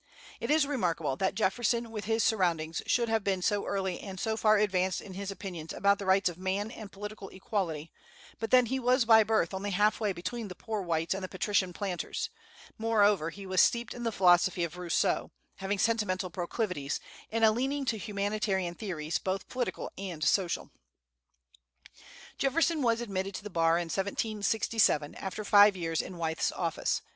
It is remarkable that Jefferson, with his surroundings, should have been so early and so far advanced in his opinions about the rights of man and political equality; but then he was by birth only halfway between the poor whites and the patrician planters; moreover, he was steeped in the philosophy of Rousseau, having sentimental proclivities, and a leaning to humanitarian theories, both political and social. Jefferson was admitted to the bar in 1767, after five years in Wythe's office.